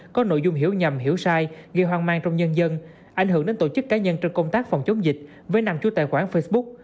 có nội dung hiểu nhầm hiểu sai gây hoang mang trong nhân dân ảnh hưởng đến tổ chức cá nhân trong công tác phòng chống dịch với năm chú tài khoản facebook